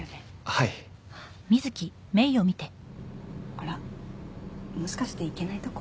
はいあらもしかしていけないとこ？